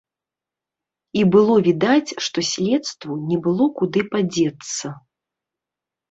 І было відаць, што следству не было куды падзецца.